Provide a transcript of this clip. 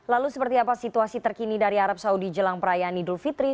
lalu seperti apa situasi terkini dari arab saudi jelang perayaan idul fitri